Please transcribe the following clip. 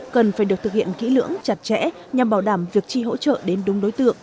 cần phải được thực hiện kỹ lưỡng chặt chẽ nhằm bảo đảm việc chi hỗ trợ đến đúng đối tượng